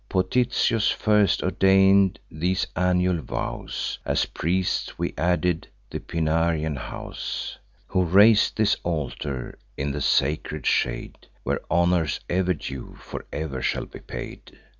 Potitius first ordain'd these annual vows: As priests, were added the Pinarian house, Who rais'd this altar in the sacred shade, Where honours, ever due, for ever shall be paid.